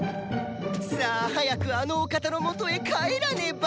さあ早くあのお方のもとへ帰らねば！